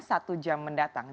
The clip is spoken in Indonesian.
satu jam mendatang